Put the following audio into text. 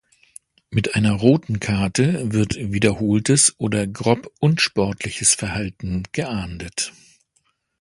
Mit einer roten Karte wird wiederholtes oder grob unsportliches Verhalten geahndet.